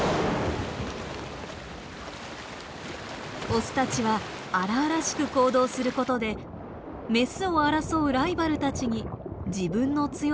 オスたちは荒々しく行動することでメスを争うライバルたちに自分の強さを見せつけているのです。